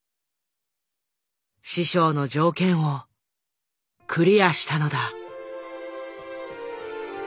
師匠の条件をクリアしたのだ。